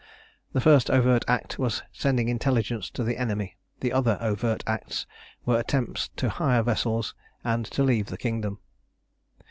The first overt act was sending intelligence to the enemy; the other overt acts were attempts to hire vessels, and to leave the kingdom.